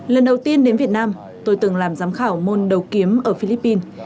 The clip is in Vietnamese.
lần đầu tiên đến việt nam tôi từng làm giám khảo môn đầu kiếm ở philippines